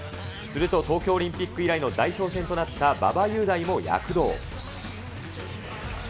すると、東京オリンピック以来の代表戦となった馬場雄大も躍動。